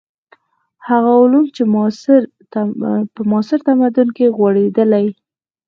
هغه علوم چې په معاصر تمدن کې غوړېدلي.